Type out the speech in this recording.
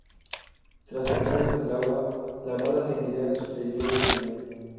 Tras entrar en el agua, la bala seguirá su trayectoria original.